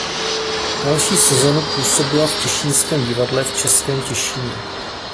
Další sezonu působila v Těšínském divadle v Českém Těšíně.